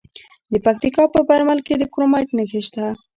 د پکتیکا په برمل کې د کرومایټ نښې شته.